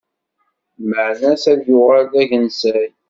Lmeɛna-s ad yuɣal d agensay.